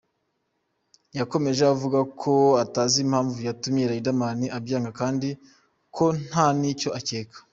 Yakomeje avuga ko atazi impamvu yatumye Riderman abyanga kandi ko nta n’icyo acyeka.